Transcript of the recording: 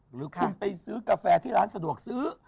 หรือคุณไปซื้อกาแฟที่ร้านสะดวกซื้อ